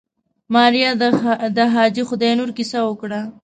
ماريا د حاجي خداينور کيسه وکړه.